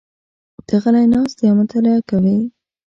ته غلی ناست یې او مطالعه کوې.